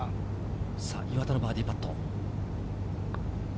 岩田のバーディーパット。